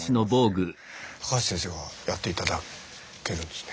高橋先生がやって頂けるんですね。